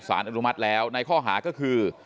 อนุมัติแล้วในข้อหาก็คือ